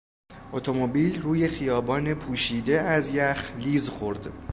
اتومبیل روی خیابان پوشیده از یخ لیز خورد.